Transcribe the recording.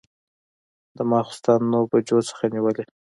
د ماخوستن نهه بجو څخه نیولې.